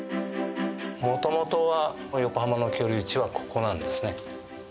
もともとは横浜の居留地はここなんですね。